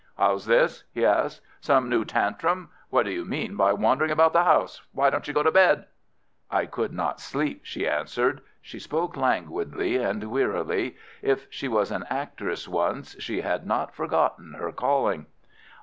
"How's this?" he asked. "Some new tantrum? What do you mean by wandering about the house? Why don't you go to bed?" "I could not sleep," she answered. She spoke languidly and wearily. If she was an actress once, she had not forgotten her calling.